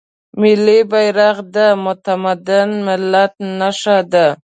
ملي بیرغ د متمدن ملت نښه ده.